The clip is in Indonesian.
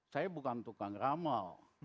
saya bukan tukang ramal